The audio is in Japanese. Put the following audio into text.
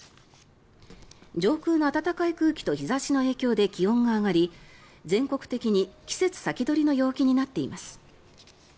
上空の暖かい空気と日差しの影響で気温が上がり全国的に季節先取りの陽気になっています。